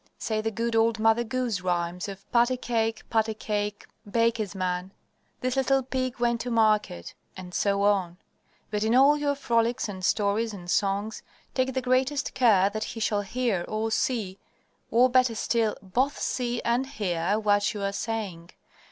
Say the good old Mother Goose rhymes of "Patty Cake, Patty Cake, Baker's Man," "This little pig went to market," etc., etc. But in all your frolics and stories and songs, take the greatest care that he shall hear or see, or better still, both see and hear, what you are saying.